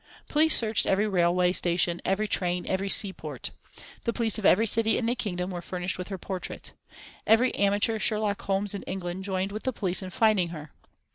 Police searched every railway station, every train, every sea port. The police of every city in the Kingdom were furnished with her portrait. Every amateur Sherlock Holmes in England joined with the police in finding her.